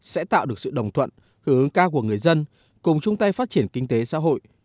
sẽ tạo được sự đồng thuận hướng cao của người dân cùng chung tay phát triển kinh tế xã hội